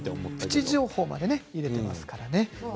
プチ情報も入れていますからね。